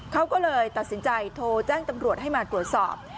เขาก็เลยตัดสินใจโทรแจ้งตำรวจให้มาตรวจสอบ